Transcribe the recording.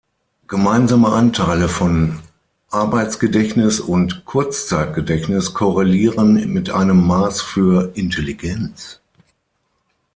Gemeinsame Anteile von Arbeitsgedächtnis und Kurzzeitgedächtnis korrelieren mit einem Maß für Intelligenz.